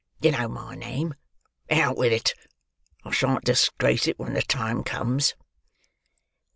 You know my name: out with it! I shan't disgrace it when the time comes."